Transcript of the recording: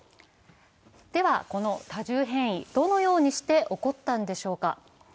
では、この多重変異、どのようにして起こったのでしょうか？